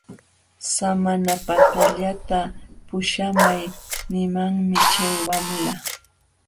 Samanapatallata puśhamay nimanmi chay wamla.